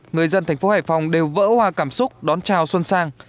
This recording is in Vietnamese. người dân thành phố hải phòng đều vỡ hoa cảm xúc đón chào xuân sang